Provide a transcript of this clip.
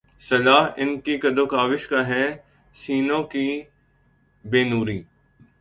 صلہ ان کی کد و کاوش کا ہے سینوں کی بے نوری